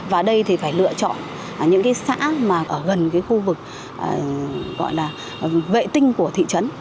và đây thì phải lựa chọn những xã gần khu vực vệ tinh của thị trấn